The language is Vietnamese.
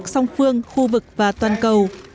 hợp tác song phương khu vực và toàn cầu